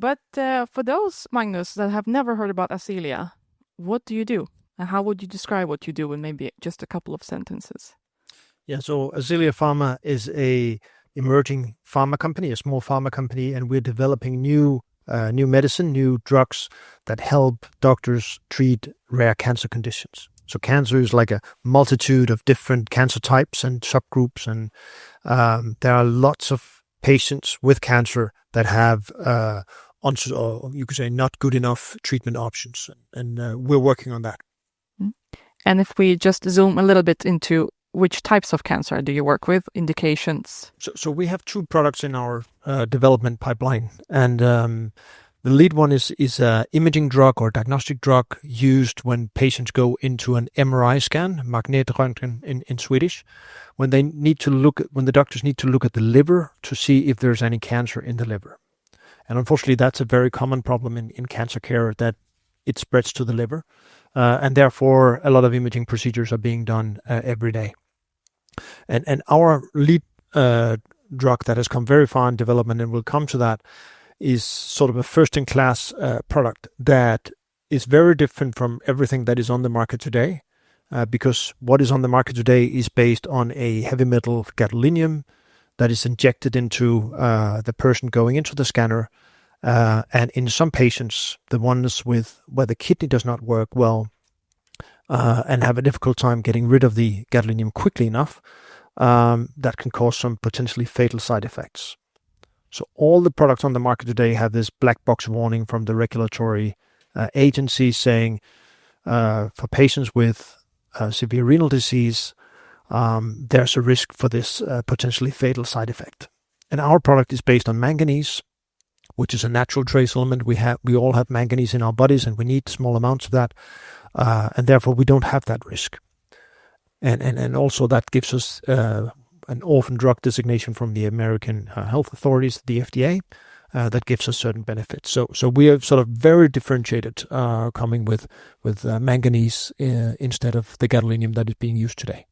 For those, Magnus, that have never heard about Ascelia, what do you do? How would you describe what you do in maybe just a couple of sentences? Yeah, Ascelia Pharma is an emerging pharma company, a small pharma company, and we're developing new, new medicine, new drugs that help doctors treat rare cancer conditions. Cancer is like a multitude of different cancer types and subgroups, and there are lots of patients with cancer that have onset, or you could say not good enough treatment options. And we're working on that. Mm-hmm. If we just zoom a little bit into which types of cancer do you work with, indications? We have two products in our development pipeline, and the lead one is a imaging drug or diagnostic drug used when patients go into an MRI scan, magnetron in Swedish, when they need to look, when the doctors need to look at the liver to see if there's any cancer in the liver. Unfortunately, that's a very common problem in cancer care that it spreads to the liver, and therefore a lot of imaging procedures are being done every day. Our lead drug that has come very far in development, and we'll come to that, is sort of a first-in-class product that is very different from everything that is on the market today, because what is on the market today is based on a heavy metal gadolinium that is injected into the person going into the scanner. In some patients, the ones where the kidney does not work well and have a difficult time getting rid of the gadolinium quickly enough, that can cause some potentially fatal side effects. All the products on the market today have this black box warning from the regulatory agency saying, for patients with severe renal disease, there is a risk for this potentially fatal side effect. Our product is based on manganese, which is a natural trace element. We all have manganese in our bodies, and we need small amounts of that. Therefore, we do not have that risk. Also, that gives us an orphan drug designation from the American health authorities, the FDA, that gives us certain benefits. We are sort of very differentiated, coming with manganese instead of the gadolinium that is being used today.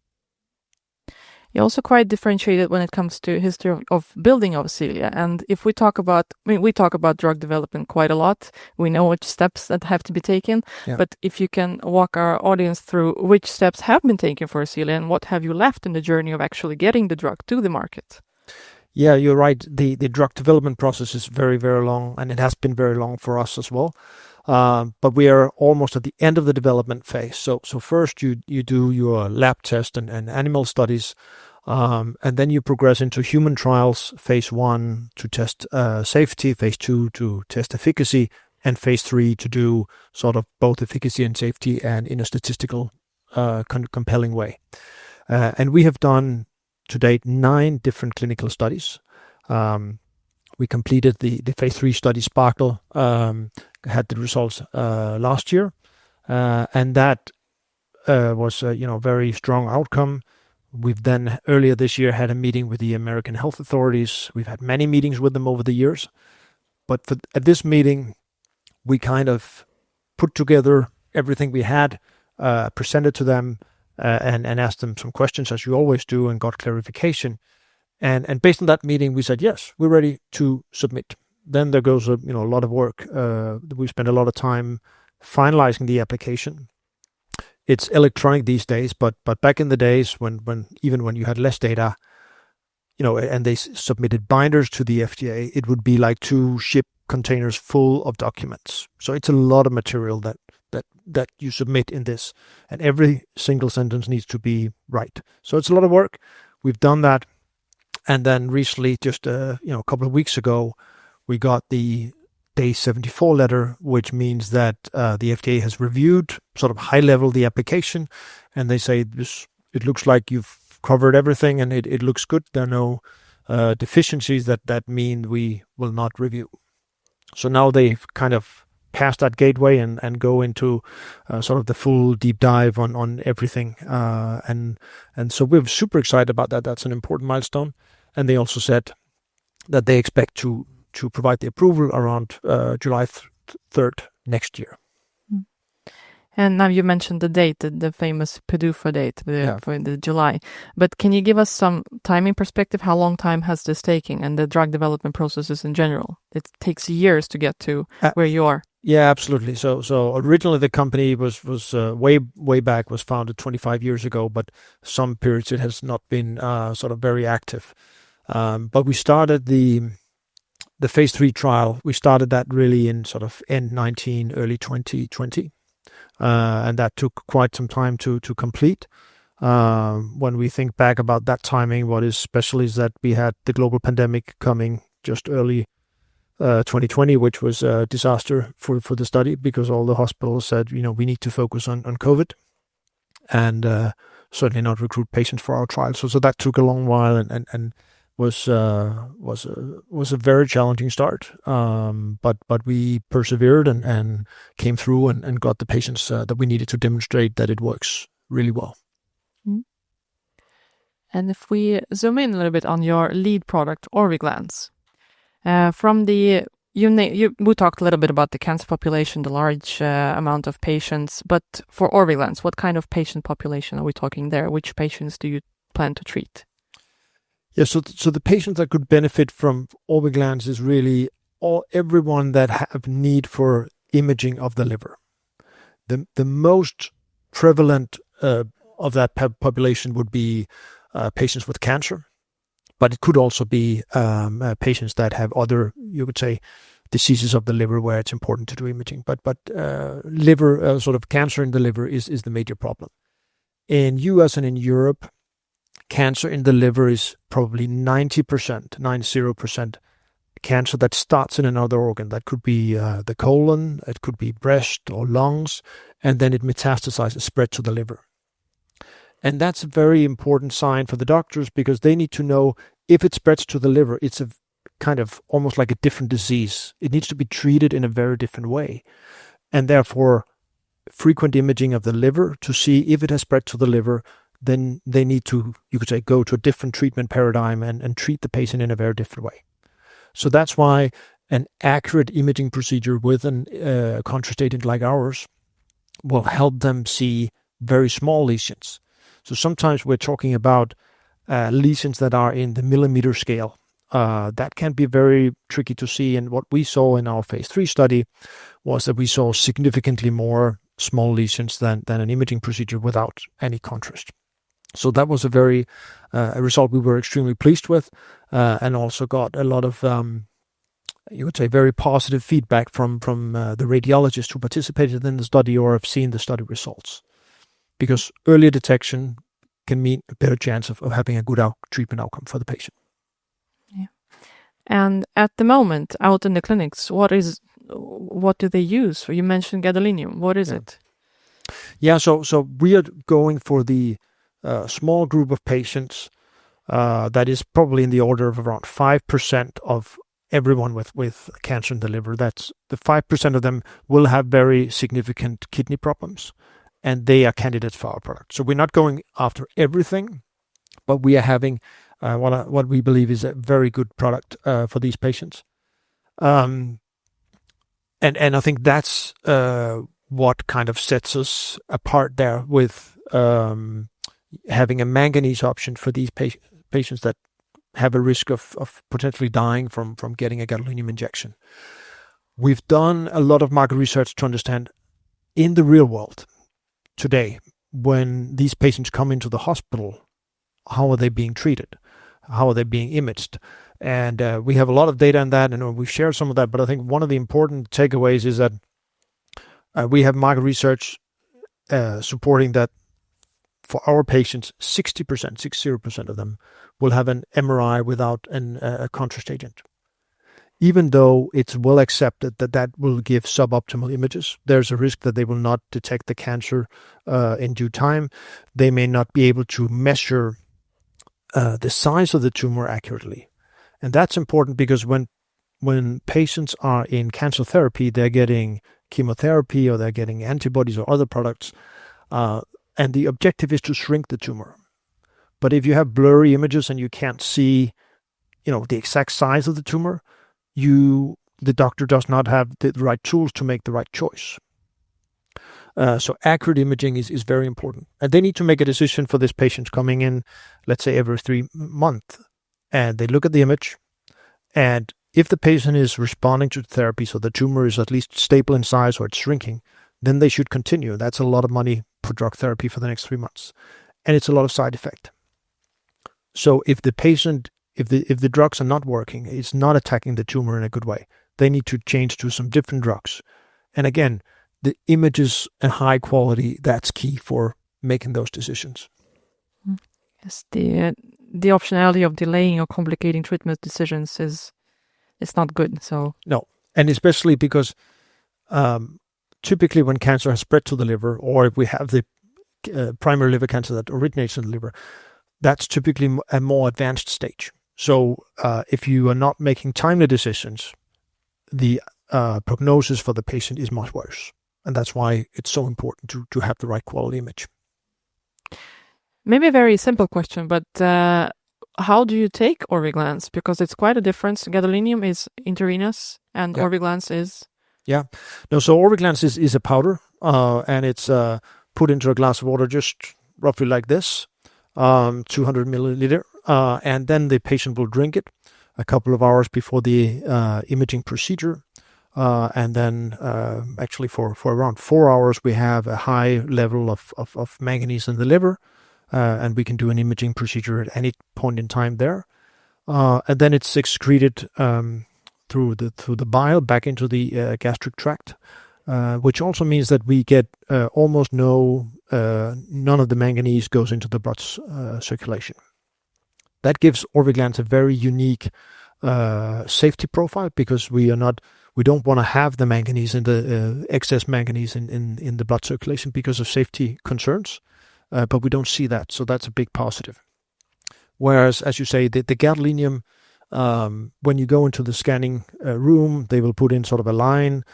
You're also quite differentiated when it comes to history of, of building of Ascelia. If we talk about, I mean, we talk about drug development quite a lot. We know which steps that have to be taken. Yeah. If you can walk our audience through which steps have been taken for Ascelia and what have you left in the journey of actually getting the drug to the market? Yeah, you're right. The drug development process is very, very long, and it has been very long for us as well. We are almost at the end of the development phase. First you do your lab test and animal studies, and then you progress into human trials, phase one to test safety, phase two to test efficacy, and phase three to do sort of both efficacy and safety and in a statistical, compelling way. We have done to date nine different clinical studies. We completed the phase III study, Sparkle, had the results last year. That was a, you know, very strong outcome. We've then earlier this year had a meeting with the American Health Authorities. We've had many meetings with them over the years. For at this meeting, we kind of put together everything we had, presented to them, and asked them some questions as you always do and got clarification. Based on that meeting, we said, yes, we're ready to submit. There goes a lot of work. We spend a lot of time finalizing the application. It's electronic these days, but back in the days when even when you had less data, you know, and they submitted binders to the FDA, it would be like two ship containers full of documents. It's a lot of material that you submit in this, and every single sentence needs to be right. It's a lot of work. We've done that. Recently, just, you know, a couple of weeks ago, we got the day 74 letter, which means that the FDA has reviewed sort of high level the application, and they say this, it looks like you've covered everything and it, it looks good. There are no deficiencies that mean we will not review. Now they've kind of passed that gateway and go into sort of the full deep dive on everything, and so we're super excited about that. That's an important milestone. They also said that they expect to provide the approval around July 3rd next year. Mm-hmm. You mentioned the date, the, the famous PDUFA date. Yeah. For the July. Can you give us some timing perspective? How long time has this taken and the drug development processes in general? It takes years to get to where you are. Yeah, absolutely. Originally the company was, way, way back, was founded 25 years ago, but some periods it has not been, sort of very active. We started the phase 3 trial. We started that really in sort of end 2019, early 2020. That took quite some time to complete. When we think back about that timing, what is special is that we had the global pandemic coming just early 2020, which was a disaster for the study because all the hospitals said, you know, we need to focus on COVID and certainly not recruit patients for our trial. That took a long while and was a very challenging start. We persevered and came through and got the patients that we needed to demonstrate that it works really well. Mm-hmm. If we zoom in a little bit on your lead product, Orviglance, from the, you know, you, we talked a little bit about the cancer population, the large amount of patients, but for Orviglance, what kind of patient population are we talking there? Which patients do you plan to treat? Yeah, so the patients that could benefit from Orviglance is really all, everyone that have need for imaging of the liver. The most prevalent of that population would be patients with cancer, but it could also be patients that have other, you would say, diseases of the liver where it's important to do imaging. Liver, sort of cancer in the liver is the major problem. In the U.S. and in Europe, cancer in the liver is probably 90%, 90% cancer that starts in another organ. That could be the colon, it could be breast or lungs, and then it metastasizes, spreads to the liver. That's a very important sign for the doctors because they need to know if it spreads to the liver, it's a kind of almost like a different disease. It needs to be treated in a very different way. Therefore, frequent imaging of the liver to see if it has spread to the liver, they need to, you could say, go to a different treatment paradigm and treat the patient in a very different way. That is why an accurate imaging procedure with a contrast agent like ours will help them see very small lesions. Sometimes we're talking about lesions that are in the millimeter scale that can be very tricky to see. What we saw in our phase III study was that we saw significantly more small lesions than an imaging procedure without any contrast. That was a result we were extremely pleased with, and also got a lot of, you would say, very positive feedback from the radiologists who participated in the study or have seen the study results. Because earlier detection can mean a better chance of having a good treatment outcome for the patient. Yeah. At the moment out in the clinics, what is, what do they use? You mentioned gadolinium. What is it? Yeah. We are going for the small group of patients that is probably in the order of around 5% of everyone with cancer in the liver. That's 5% of them will have very significant kidney problems, and they are candidates for our product. We are not going after everything, but we are having what we believe is a very good product for these patients. I think that's what kind of sets us apart there with having a manganese option for these patients, patients that have a risk of potentially dying from getting a gadolinium injection. We've done a lot of market research to understand in the real world today, when these patients come into the hospital, how are they being treated? How are they being imaged? We have a lot of data on that, and we've shared some of that, but I think one of the important takeaways is that we have market research supporting that for our patients, 60% of them will have an MRI without a contrast agent. Even though it's well accepted that that will give suboptimal images, there's a risk that they will not detect the cancer in due time. They may not be able to measure the size of the tumor accurately. That's important because when patients are in cancer therapy, they're getting chemotherapy or they're getting antibodies or other products, and the objective is to shrink the tumor. If you have blurry images and you can't see, you know, the exact size of the tumor, the doctor does not have the right tools to make the right choice. Accurate imaging is very important. They need to make a decision for this patient coming in, let's say, every three months, and they look at the image, and if the patient is responding to the therapy, so the tumor is at least stable in size or it's shrinking, then they should continue. That's a lot of money for drug therapy for the next three months, and it's a lot of side effect. If the patient, if the drugs are not working, it's not attacking the tumor in a good way, they need to change to some different drugs. Again, the images and high quality, that's key for making those decisions. Mm-hmm. Yes. The optionality of delaying or complicating treatment decisions is not good. No. Especially because, typically when cancer has spread to the liver, or if we have the primary liver cancer that originates in the liver, that's typically a more advanced stage. If you are not making timely decisions, the prognosis for the patient is much worse. That's why it's so important to have the right quality image. Maybe a very simple question, but, how do you take Orviglance? Because it's quite a difference. Gadolinium is intravenous and Orviglance is. Yeah. No, so Orviglance is a powder, and it's put into a glass of water just roughly like this, 200 milliliter. Then the patient will drink it a couple of hours before the imaging procedure. Actually, for around four hours, we have a high level of manganese in the liver, and we can do an imaging procedure at any point in time there. Then it's excreted through the bile back into the gastric tract, which also means that we get almost no, none of the manganese goes into the blood circulation. That gives Orviglance a very unique safety profile because we are not, we don't wanna have the manganese in the, excess manganese in the blood circulation because of safety concerns. We don't see that. That's a big positive. Whereas, as you say, the gadolinium, when you go into the scanning room, they will put in sort of a line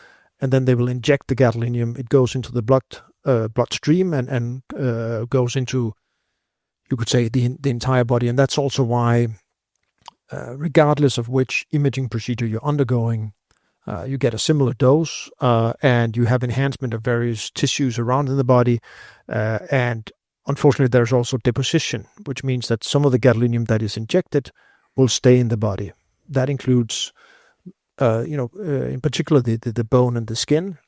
and then they will inject the gadolinium. It goes into the blood, bloodstream and goes into, you could say, the entire body. That's also why, regardless of which imaging procedure you're undergoing, you get a similar dose, and you have enhancement of various tissues around in the body. Unfortunately, there's also deposition, which means that some of the gadolinium that is injected will stay in the body. That includes, you know, in particular the bone and the skin,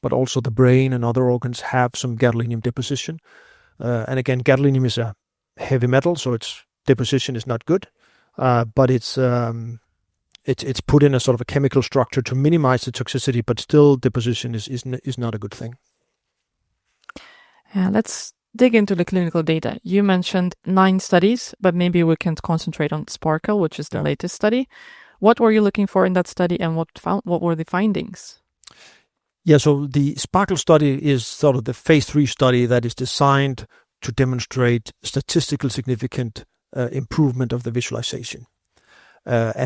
but also the brain and other organs have some gadolinium deposition. Gadolinium is a heavy metal, so its deposition is not good. It's put in a sort of a chemical structure to minimize the toxicity, but still deposition is not a good thing. Yeah. Let's dig into the clinical data. You mentioned nine studies, but maybe we can concentrate on Sparkle, which is the latest study. What were you looking for in that study and what were the findings? Yeah. The Sparkle study is sort of the phase III study that is designed to demonstrate statistically significant improvement of the visualization.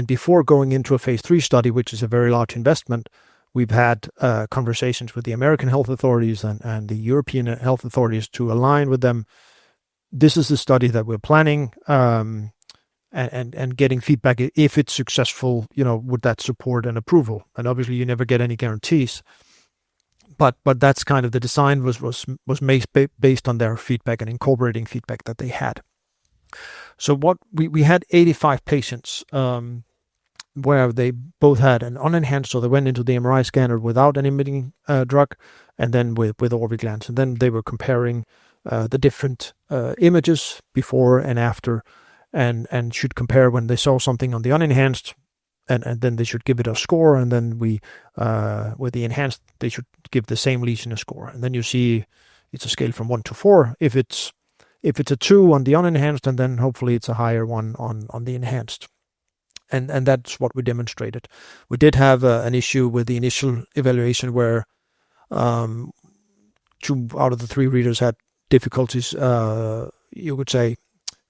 Before going into a phase III study, which is a very large investment, we've had conversations with the American Health Authorities and the European Health Authorities to align with them. This is the study that we're planning, and getting feedback if it's successful, you know, would that support an approval? Obviously you never get any guarantees, but that's kind of the design was made based on their feedback and incorporating feedback that they had. What we had was 85 patients, where they both had an unenhanced, so they went into the MRI scanner without an imaging drug, and then with Orviglance. They were comparing the different images before and after, and should compare when they saw something on the unenhanced, and then they should give it a score. Then with the enhanced, they should give the same lesion a score. You see it's a scale from one to four. If it's a two on the unenhanced, hopefully it's a higher one on the enhanced. That's what we demonstrated. We did have an issue with the initial evaluation where two out of the three readers had difficulties, you could say,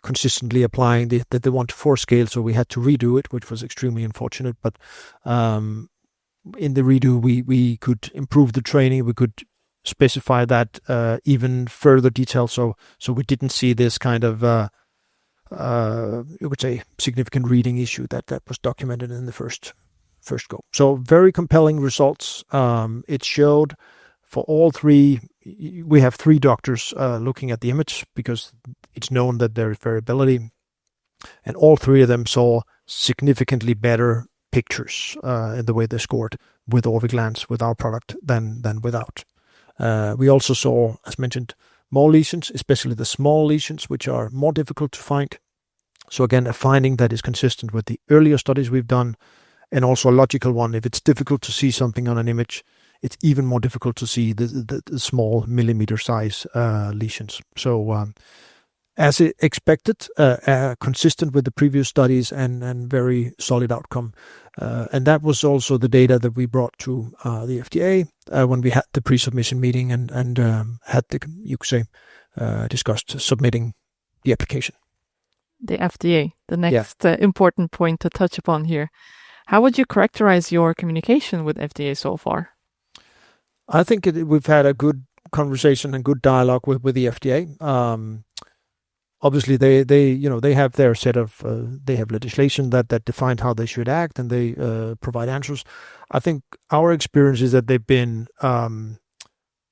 consistently applying the one to four scale. We had to redo it, which was extremely unfortunate, but in the redo, we could improve the training. We could specify that in even further detail. We didn't see this kind of, you could say, significant reading issue that was documented in the first go. Very compelling results. It showed for all three—we have three doctors looking at the image because it's known that there is variability. All three of them saw significantly better pictures in the way they scored with Orviglance, with our product, than without. We also saw, as mentioned, more lesions, especially the small lesions, which are more difficult to find. Again, a finding that is consistent with the earlier studies we've done, and also a logical one. If it's difficult to see something on an image, it's even more difficult to see the small millimeter size lesions. As expected, consistent with the previous studies and a very solid outcome. That was also the data that we brought to the FDA when we had the pre-submission meeting and discussed submitting the application. The FDA, the next important point to touch upon here. How would you characterize your communication with FDA so far? I think we've had a good conversation and good dialogue with the FDA. Obviously, they have their set of, they have legislation that defined how they should act and they provide answers. I think our experience is that they've been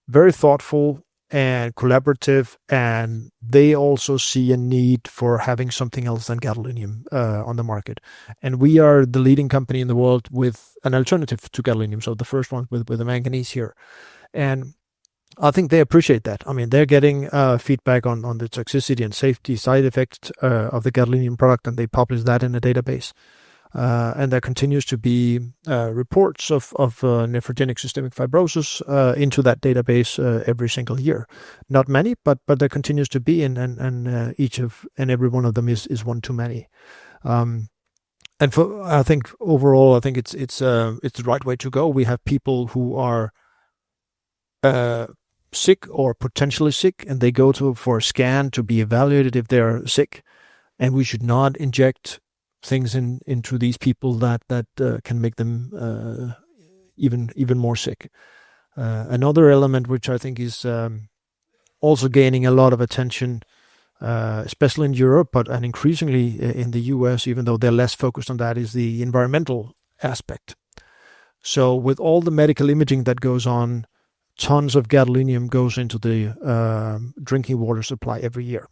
very thoughtful and collaborative, and they also see a need for having something else than gadolinium on the market. We are the leading company in the world with an alternative to gadolinium. The first one with the manganese here. I think they appreciate that. I mean, they're getting feedback on the toxicity and safety side effects of the gadolinium product, and they publish that in a database. There continues to be reports of nephrogenic systemic fibrosis into that database every single year. Not many, but there continues to be, and each of, and every one of them is one too many. For, I think overall, I think it's the right way to go. We have people who are sick or potentially sick, and they go for a scan to be evaluated if they're sick. We should not inject things into these people that can make them even more sick. Another element, which I think is also gaining a lot of attention, especially in Europe, but increasingly in the U.S., even though they're less focused on that, is the environmental aspect. With all the medical imaging that goes on, tons of gadolinium goes into the drinking water supply every year.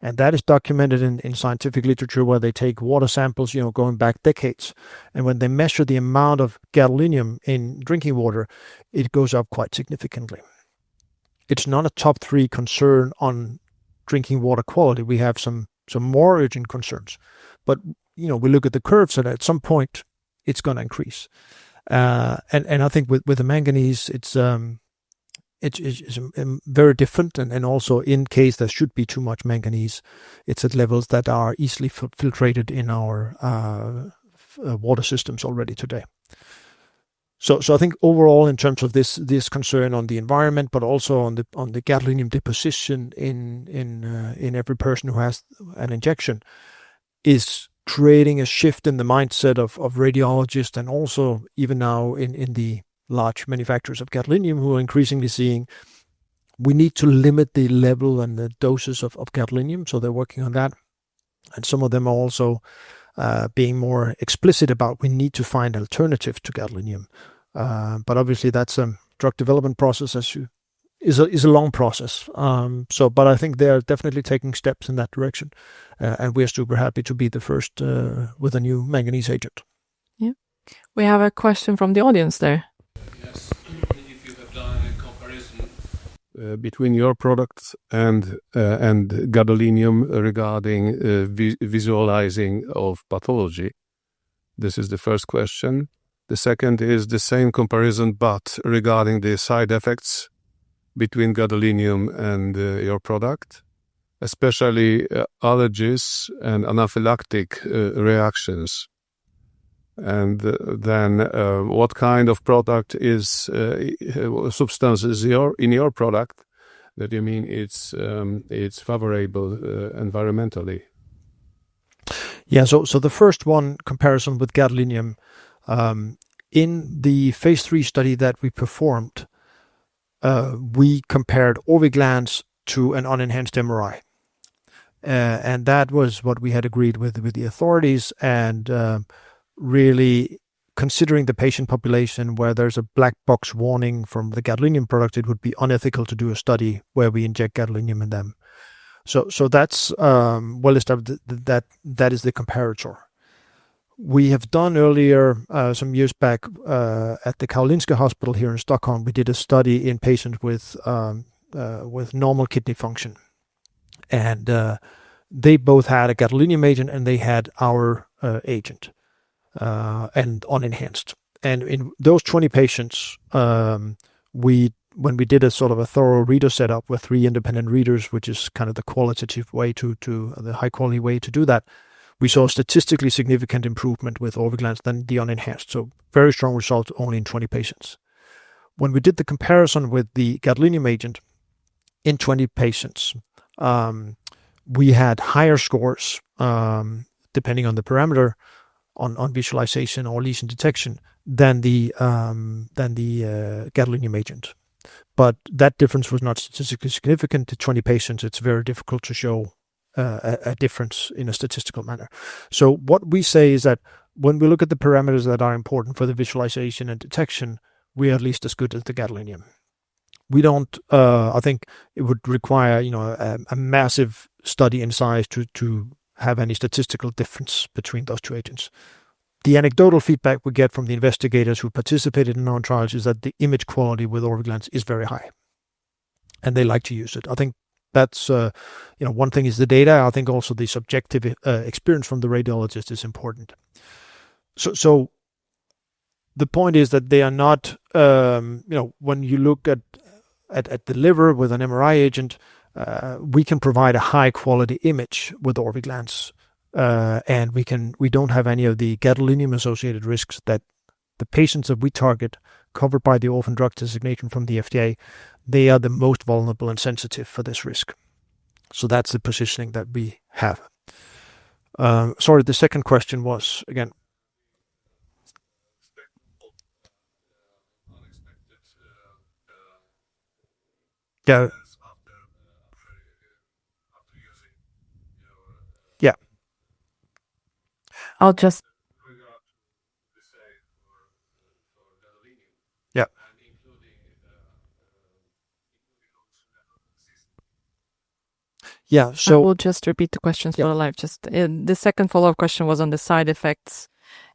That is documented in scientific literature where they take water samples, you know, going back decades. When they measure the amount of gadolinium in drinking water, it goes up quite significantly. It's not a top three concern on drinking water quality. We have some more urgent concerns, but, you know, we look at the curves and at some point it's gonna increase. I think with the manganese, it's very different. Also, in case there should be too much manganese, it's at levels that are easily filtrated in our water systems already today. I think overall in terms of this concern on the environment, but also on the gadolinium deposition in every person who has an injection, it is creating a shift in the mindset of radiologists. Also, even now, the large manufacturers of gadolinium are increasingly seeing we need to limit the level and the doses of gadolinium. They are working on that. Some of them are also being more explicit about we need to find alternatives to gadolinium. Obviously, that is a drug development process, as you know, is a long process. I think they are definitely taking steps in that direction. We are super happy to be the first with a new manganese agent. Yeah. We have a question from the audience there. Yes. What if you have done a comparison between your products and gadolinium regarding visualizing of pathology? This is the first question. The second is the same comparison, but regarding the side effects between gadolinium and your product, especially allergies and anaphylactic reactions. Then, what kind of product is, substance is your, in your product that you mean it's, it's favorable, environmentally? Yeah. The first one, comparison with gadolinium, in the phase III study that we performed, we compared Orviglance to an unenhanced MRI. That was what we had agreed with the authorities. Really considering the patient population where there's a black box warning from the gadolinium product, it would be unethical to do a study where we inject gadolinium in them. That's the comparator. We have done earlier, some years back, at the Karolinska University Hospital here in Stockholm. We did a study in patients with normal kidney function. They both had a gadolinium agent and they had our agent, and unenhanced. In those 20 patients, when we did a sort of a thorough reader setup with three independent readers, which is kind of the qualitative way to, the high quality way to do that, we saw statistically significant improvement with Orviglance than the unenhanced. Very strong results only in 20 patients. When we did the comparison with the gadolinium agent in 20 patients, we had higher scores, depending on the parameter on visualization or lesion detection than the gadolinium agent. That difference was not statistically significant in 20 patients. It's very difficult to show a difference in a statistical manner. What we say is that when we look at the parameters that are important for the visualization and detection, we are at least as good as the gadolinium. We don't, I think it would require, you know, a massive study in size to have any statistical difference between those two agents. The anecdotal feedback we get from the investigators who participated in our trials is that the image quality with Orviglance is very high and they like to use it. I think that's, you know, one thing is the data. I think also the subjective experience from the radiologist is important. The point is that they are not, you know, when you look at the liver with an MRI agent, we can provide a high quality image with Orviglance, and we don't have any of the gadolinium associated risks that the patients that we target covered by the orphan drug designation from the FDA, they are the most vulnerable and sensitive for this risk. That is the positioning that we have. Sorry, the second question was again. Unexpected, yeah. After using, you know. Yeah. I'll just. Regard to the safe for, for gadolinium. Yeah. Including those nephrotoxicity. Yeah. We'll just repeat the questions for the live. The second follow-up question was on the side effects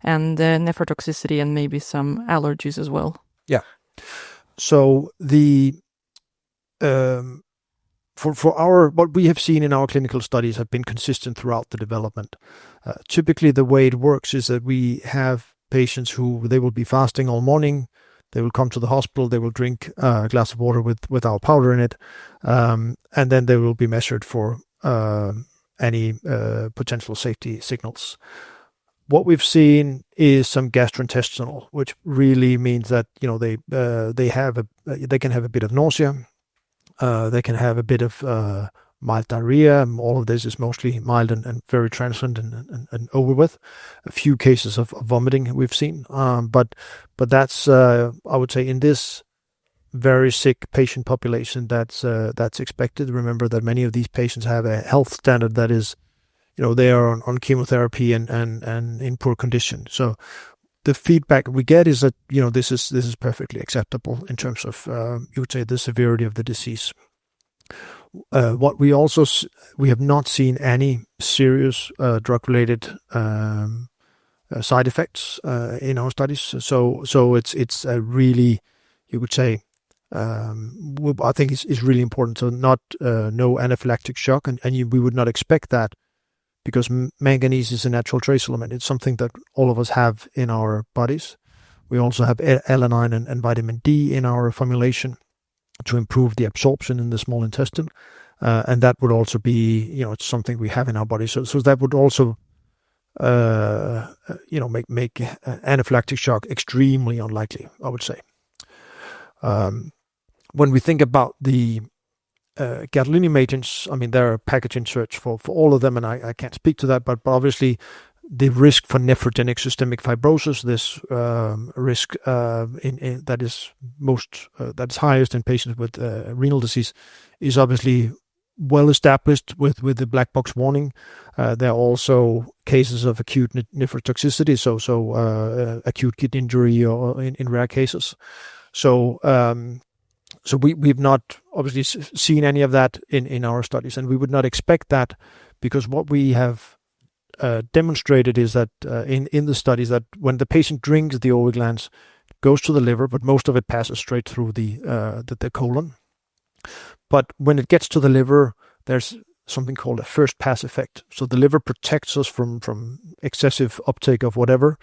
and the nephrotoxicity and maybe some allergies as well. Yeah. For our, what we have seen in our clinical studies have been consistent throughout the development. Typically the way it works is that we have patients who, they will be fasting all morning, they will come to the hospital, they will drink a glass of water with our powder in it. Then they will be measured for any potential safety signals. What we've seen is some gastrointestinal, which really means that, you know, they can have a bit of nausea. They can have a bit of mild diarrhea. All of this is mostly mild and very transient and over with a few cases of vomiting we've seen. I would say in this very sick patient population that's expected. Remember that many of these patients have a health standard that is, you know, they are on chemotherapy and in poor condition. The feedback we get is that, you know, this is perfectly acceptable in terms of, you would say, the severity of the disease. What we also, we have not seen any serious drug-related side effects in our studies. It's a really, you would say, I think it's really important to note, no anaphylactic shock. You would not expect that because manganese is a natural trace element. It's something that all of us have in our bodies. We also have alanine and vitamin D in our formulation to improve the absorption in the small intestine, and that would also be, you know, it's something we have in our body. That would also, you know, make anaphylactic shock extremely unlikely, I would say. When we think about the gadolinium agents, I mean, there are packaging search for all of them, and I can't speak to that, but obviously the risk for nephrogenic systemic fibrosis, this risk in that is most, that's highest in patients with renal disease, is obviously well established with the black box warning. There are also cases of acute nephrotoxicity. So, acute kidney injury or in rare cases. We have not obviously seen any of that in our studies. We would not expect that because what we have demonstrated is that in the studies, when the patient drinks the Orviglance, it goes to the liver, but most of it passes straight through the colon. When it gets to the liver, there's something called a first pass effect. The liver protects us from excessive uptake of whatever,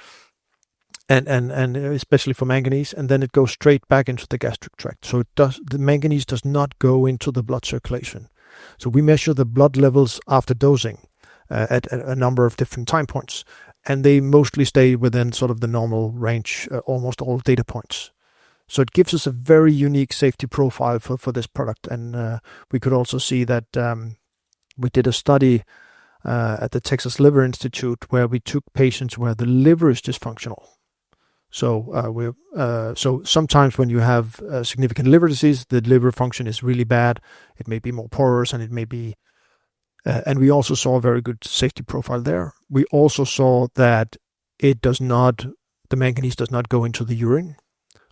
and especially for manganese, and then it goes straight back into the gastric tract. The manganese does not go into the blood circulation. We measure the blood levels after dosing at a number of different time points, and they mostly stay within sort of the normal range, almost all data points. It gives us a very unique safety profile for this product. We could also see that we did a study at the Texas Liver Institute where we took patients where the liver is dysfunctional. Sometimes when you have a significant liver disease, the liver function is really bad. It may be more porous and it may be, and we also saw a very good safety profile there. We also saw that it does not, the manganese does not go into the urine,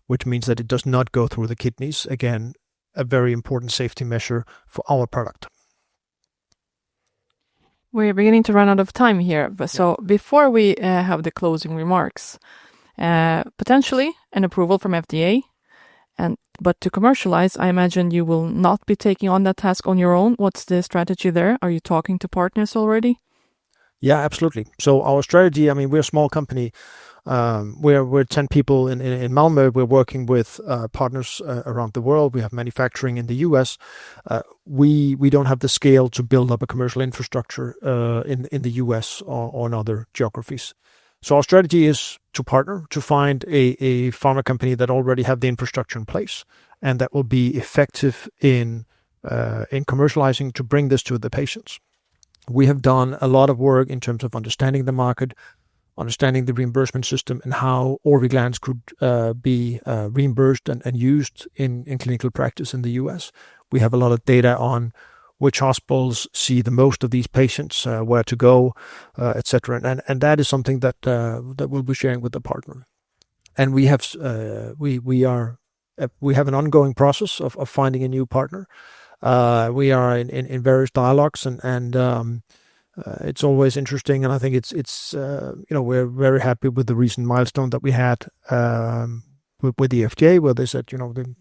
which means that it does not go through the kidneys. Again, a very important safety measure for our product. We are beginning to run out of time here. Before we have the closing remarks, potentially an approval from FDA, and to commercialize, I imagine you will not be taking on that task on your own. What's the strategy there? Are you talking to partners already? Yeah, absolutely. Our strategy, I mean, we're a small company. We're 10 people in Malmö. We're working with partners around the world. We have manufacturing in the U.S. We don't have the scale to build up a commercial infrastructure in the U.S. or in other geographies. Our strategy is to partner, to find a pharma company that already has the infrastructure in place and that will be effective in commercializing to bring this to the patients. We have done a lot of work in terms of understanding the market, understanding the reimbursement system and how Orviglance could be reimbursed and used in clinical practice in the U.S. We have a lot of data on which hospitals see the most of these patients, where to go, et cetera. That is something that we'll be sharing with the partner. We have an ongoing process of finding a new partner. We are in various dialogues and it's always interesting. I think it's, you know, we're very happy with the recent milestone that we had with the FDA where they said, you know, the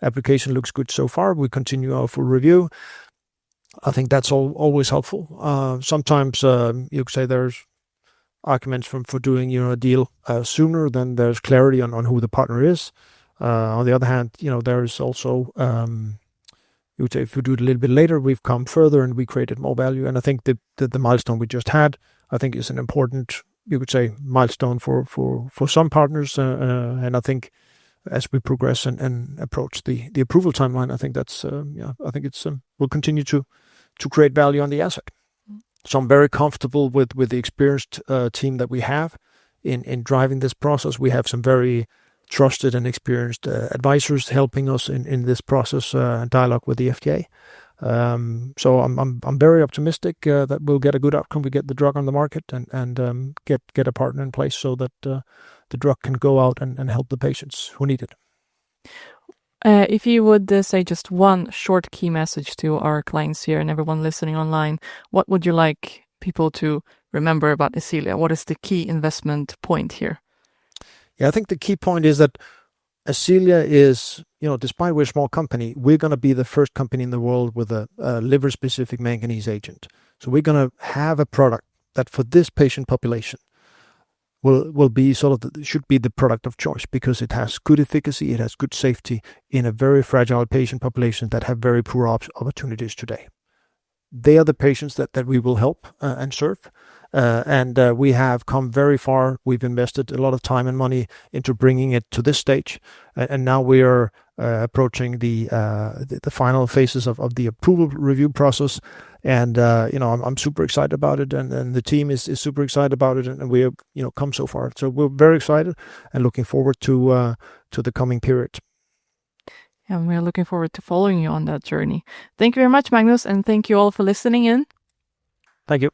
application looks good so far. We continue our full review. I think that's always helpful. Sometimes, you could say there's arguments for doing, you know, a deal sooner than there's clarity on who the partner is. On the other hand, you would say if we do it a little bit later, we've come further and we created more value. I think the milestone we just had is an important milestone for some partners. I think as we progress and approach the approval timeline, we'll continue to create value on the asset. I'm very comfortable with the experienced team that we have in driving this process. We have some very trusted and experienced advisors helping us in this process, and dialogue with the FDA. I'm very optimistic that we'll get a good outcome. We get the drug on the market and get a partner in place so that the drug can go out and help the patients who need it. If you would say just one short key message to our clients here and everyone listening online, what would you like people to remember about Ascelia? What is the key investment point here? Yeah, I think the key point is that Ascelia is, you know, despite we're a small company, we are gonna be the first company in the world with a, a liver specific manganese agent. We are gonna have a product that for this patient population will, will be sort of the, should be the product of choice because it has good efficacy, it has good safety in a very fragile patient population that have very poor opportunities today. They are the patients that, that we will help, and serve. We have come very far. We've invested a lot of time and money into bringing it to this stage. Now we are, approaching the, the final phases of, of the approval review process. You know, I'm, I'm super excited about it. The team is, is super excited about it. We have, you know, come so far. So we're very excited and looking forward to, to the coming period. We are looking forward to following you on that journey. Thank you very much, Magnus. Thank you all for listening in. Thank you.